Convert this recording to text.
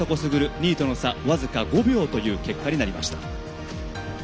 ２位との差は僅か５秒という結果になりました。